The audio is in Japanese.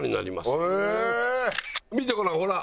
見てごらんほら！